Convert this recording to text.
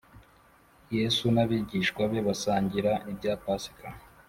Yesu n’abigishwa be basangira ibya Pasika